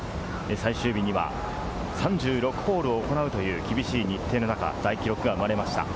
最終日には３６ホールを行うという厳しい日程の中、大記録が生まれました。